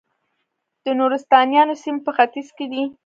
د نورستانیانو سیمې په ختیځ کې دي